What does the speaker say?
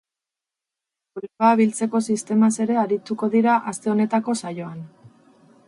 Olioa biltzeko sistemaz ere arituko dira aste honetako saioan.